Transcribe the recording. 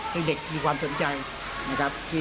ให้เด็กมีความสนใจนะครับ